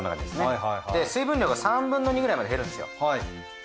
で水分量が３分の２くらいまで減るんですよ。